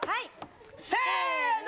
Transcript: せの！